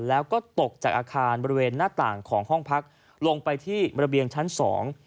แล้วก็ตกจากอาคารบริเวณหน้าต่างของห้องพักลงไปที่ระเบียงชั้นสอง